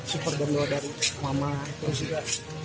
super dan doa dari mama itu juga